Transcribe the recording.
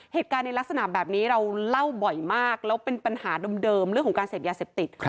เหตุการณ์ในลักษณะแบบนี้เราเล่าบ่อยมากแล้วเป็นปัญหาเดิมเรื่องของการเสพยาเสพติด